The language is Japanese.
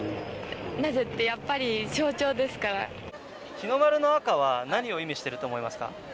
なぜってやっぱり象徴ですから日の丸の赤は何を意味してると思いますか？